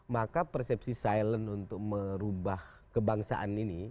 maka persepsi silent untuk merubah kebangsaan ini